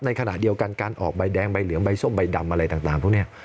ในขณะเดียวกันการออกใบแดงใบเหลืองใบส้มใบดำอะไรต่างพวกนี้